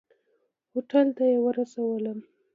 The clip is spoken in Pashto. هوټل ته یې ورسولم.